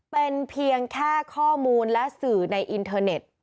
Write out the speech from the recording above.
เป็นเพียงแค่ข้อมูลและสื่อในอินเทอร์เน็ต